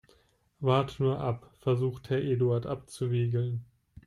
Warte nur ab, versucht Herr Eduard abzuwiegeln.